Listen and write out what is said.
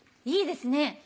いいですね。